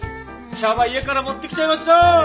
茶葉家から持ってきちゃいました。